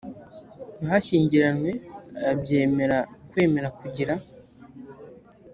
bashyingiranywe abyemera kwemera kugira